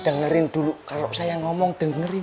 dengerin dulu kalau saya ngomong dengerin